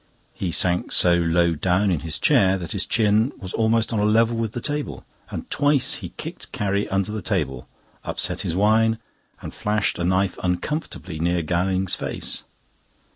He sank so low down in his chair that his chin was almost on a level with the table, and twice he kicked Carrie under the table, upset his wine, and flashed a knife uncomfortably near Gowing's face.